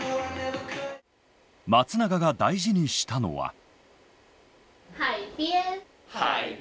松永が大事にしたのは。